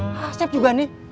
hah siap juga nih